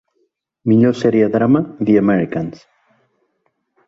Millor sèrie drama: ‘The Americans’